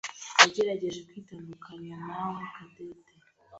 yagerageje kwitandukanya nawe Cadette.